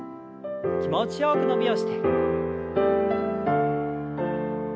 気持ちよく伸びをして。